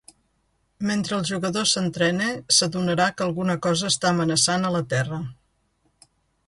Mentre el jugador s'entrena, s'adonarà que alguna cosa està amenaçant a la Terra.